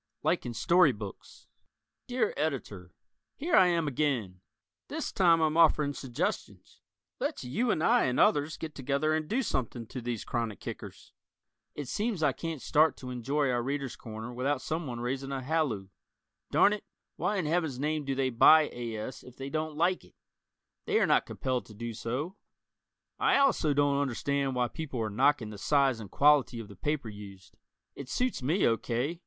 "Like in Story Books" Dear Editor: Here I am again! This time I'm offering suggestions. Let's you and I and others get together and do something to these chronic kickers. It seems I can't start to enjoy our "Readers' Corner" without someone raising a halloo. Darn it! Why in heaven's name do they buy A. S. if they don't like it? They are not compelled to do so. I also don't understand why people are knocking the size and quality of the paper used. It suits me O. K.